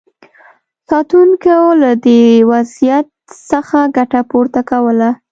ساتونکو له دې وضعیت څخه ګټه پورته کوله.